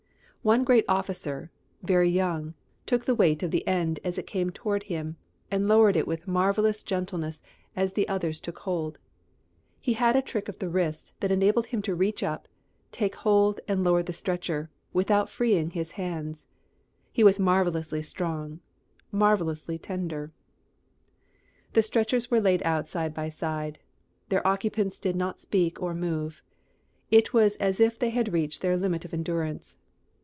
One great officer, very young, took the weight of the end as it came toward him, and lowered it with marvellous gentleness as the others took hold. He had a trick of the wrist that enabled him to reach up, take hold and lower the stretcher, without freeing his hands. He was marvellously strong, marvellously tender. The stretchers were laid out side by side. Their occupants did not speak or move. It was as if they had reached their limit of endurance.